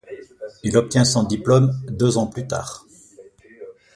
Il obtient son diplôme deux ans plus tard.